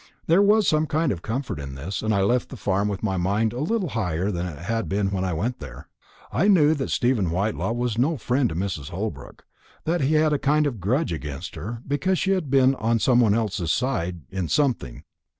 There was some kind of comfort in this, and I left the farm with my mind a little lighter than it had been when I went in there. I knew that Stephen Whitelaw was no friend to Mrs. Holbrook; that he had a kind of grudge against her because she had been on some one else's side in in something."